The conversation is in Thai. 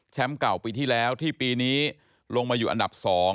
เก่าปีที่แล้วที่ปีนี้ลงมาอยู่อันดับ๒